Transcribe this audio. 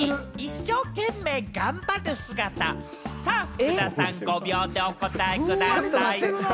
福田さん、５秒でお答えください。